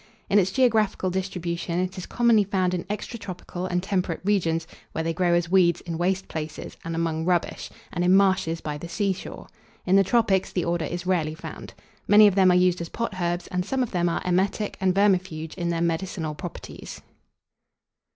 In its geographical distribution it is commonly found in extratropical and temperate regions, where they grow as weeds in waste places, and among rubbish, and in marshes by the seashore. In the tropics the order is rarely found. Many of them are used as potherbs, and some of them are emetic and vermifuge in their medicinal properties.